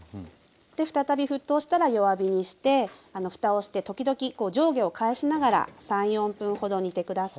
再び沸騰したら弱火にしてふたをして時々こう上下を返しながら３４分ほど煮て下さい。